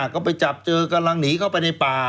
ก็ไปจับเจอกำลังหนีเข้าไปในป่า